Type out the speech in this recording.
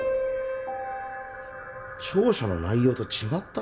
調書の内容と違った？